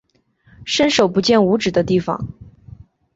伸手不见五指的地方